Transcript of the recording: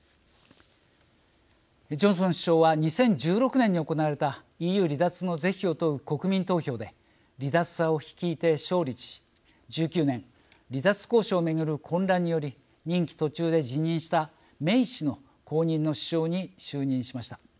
ジョンソン首相は２０１６年に行われたＥＵ離脱の是非を問う国民投票で離脱派を率いて勝利し、１９年離脱交渉を巡る混乱により任期途中で辞任したメイ氏の後任の首相に就任しました。